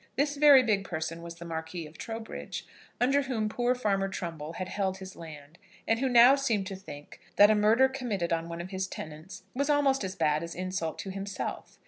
This very big person was the Marquis of Trowbridge, under whom poor Farmer Trumbull had held his land, and who now seemed to think that a murder committed on one of his tenants was almost as bad as insult to himself.